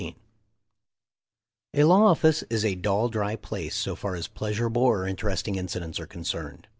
CHAPTER XL A law office is a dull, dry place so far as pleasurable or interesting incidents are concerned.